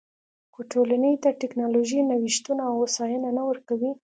خو ټولنې ته ټکنالوژیکي نوښتونه او هوساینه نه ورکوي